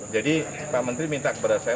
jadi pak menteri minta kepada saya